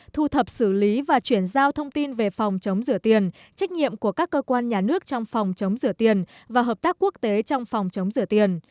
thu thập xử lý và chuyển giao thông tin về phòng chống rửa tiền trách nhiệm của các cơ quan nhà nước trong phòng chống rửa tiền và hợp tác quốc tế trong phòng chống rửa tiền